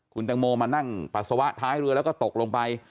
คุณตังโมมานั่งปัสสาวะท้ายเรือแล้วก็ตกลงไป